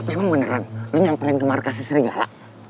emang beneran lu nyamperin ke markasnya serigala